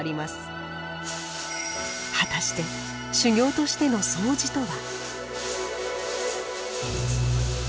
果たして修行としてのそうじとは？